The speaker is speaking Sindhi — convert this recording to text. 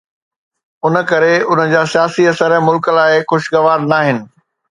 ان ڪري ان جا سياسي اثر ملڪ لاءِ خوشگوار ناهن.